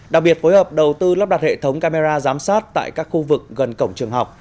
đặc biệt phối hợp đầu tư lắp đặt hệ thống camera giám sát tại các khu vực gần cổng trường học